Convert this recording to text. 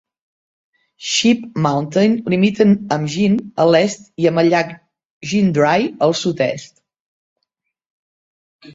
Sheep Mountain limita amb Jean a l'est i amb el llac Jean Dry al sud-est.